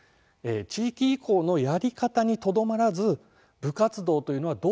地域移行のやり方にとどまらず部活動というのはどうあるべきか。